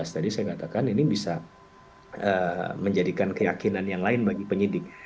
tadi saya katakan ini bisa menjadikan keyakinan yang lain bagi penyidik